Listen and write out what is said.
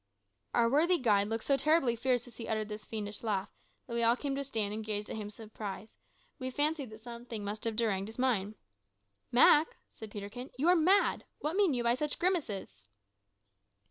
Our worthy guide looked so terribly fierce as he uttered this fiendish laugh, that we all came to a stand and gazed at him in surprise; we fancied that something must have deranged his mind. "Mak," said Peterkin, "you are mad. What mean you by such grimaces?"